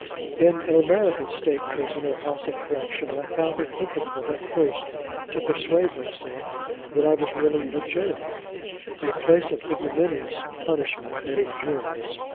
In an American state prison or house of correction, I found it difficult at first to persuade myself that I was really in a jail: a place of ignominious punishment and endurance.